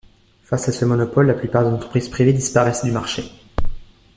Face à ce monopole, la plupart des entreprises privées disparaissent du marché.